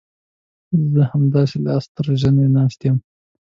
زه همداسې لاس تر زنې ناست وم.